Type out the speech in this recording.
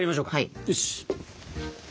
よし。